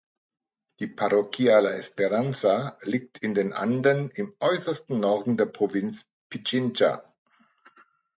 Die Parroquia La Esperanza liegt in den Anden im äußersten Norden der Provinz Pichincha.